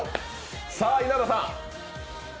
さあ、稲田さん！